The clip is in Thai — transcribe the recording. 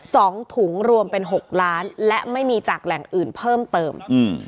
สองถุงรวมเป็นหกล้านและไม่มีจากแหล่งอื่นเพิ่มเติมอืม